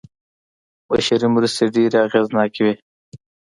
بشري مرستې ډېرې اغېزناکې وې.